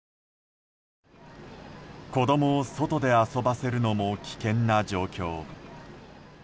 子供を外で遊ばせるのも危険な状況。